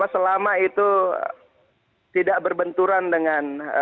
selama itu tidak berbenturan dengan